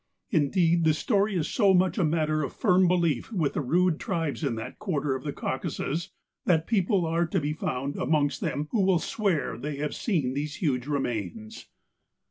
Indeed the story is so much a matter of firm belief with the rude tribes in that quarter of the Caucasus that people are to be found amongst them who will swear they have seen these huge remains.